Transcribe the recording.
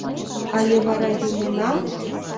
— Але вара йомынам?»